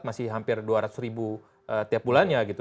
masih hampir dua ratus ribu tiap bulannya gitu